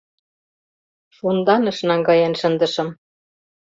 — Шонданыш наҥгаен шындышым.